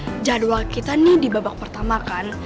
hmm oke kan jadwal kita nih di babak pertama kan